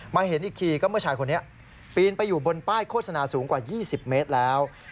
เห็นอีกทีก็เมื่อชายคนนี้ปีนไปอยู่บนป้ายโฆษณาสูงกว่า๒๐เมตรแล้ว